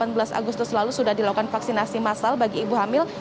sembilan belas agustus lalu sudah dilakukan vaksinasi massal bagi ibu hamil